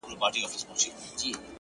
نا به د دې دنيا جنت په پايکوبۍ نمانځلای-